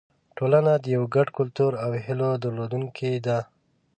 ټولنه د یو ګډ کلتور او هیلو درلودونکې ده.